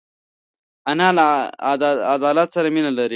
انا له عدالت سره مینه لري